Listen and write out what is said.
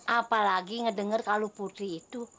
apalagi ngedengar kalau putri itu